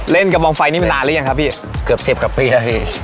เล่นกระบองไฟนี่มานานหรือยังครับพี่เกือบสิบกับปีครับพี่